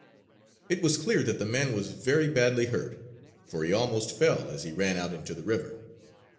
It was clear that the man was very badly hurt; for he almost fell as he ran out into the river.